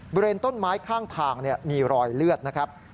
บริเวณต้นไม้ข้างทางมีรอยเลือดนะครับ